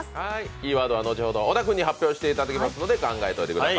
キーワードは後ほど、小田君に発表してもらいますので考えておいてください。